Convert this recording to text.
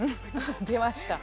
出ました。